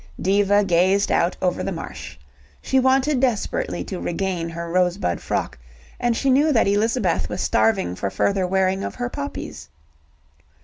Diva gazed out over the marsh. She wanted desperately to regain her rosebud frock, and she knew that Elizabeth was starving for further wearing of her poppies.